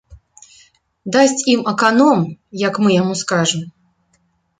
Дасць ім аканом, як мы яму скажам.